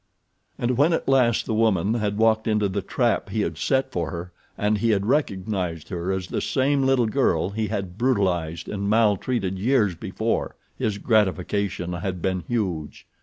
And when at last the woman had walked into the trap he had set for her and he had recognized her as the same little girl he had brutalized and mal treated years before his gratification had been huge.